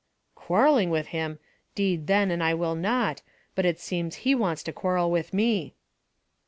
"Quarrelling with him! 'Deed then and I will not, but it seems he wants to quarrel with me."